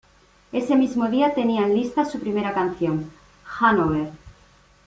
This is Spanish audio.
Ese mismo día tenían lista su primera canción: Hang Over.